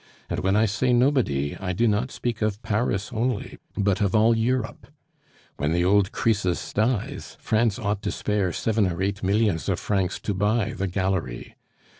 "And when I say nobody, I do not speak of Paris only, but of all Europe. When the old Croesus dies, France ought to spare seven or eight millions of francs to buy the gallery.